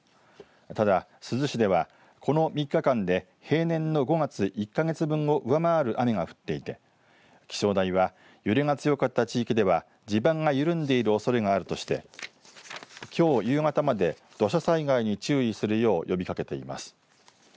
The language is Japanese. ただ珠洲市ではこの３日間で平年の５月１か月分を上回る雨が降っていて気象台は揺れが強かった地域では地盤が緩んでいるおそれがあるとしてきょう夕方まで土砂災害に注意するよう呼びかけています。